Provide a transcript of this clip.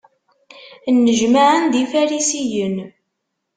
Nnejmaɛen-d Ifarisiyen.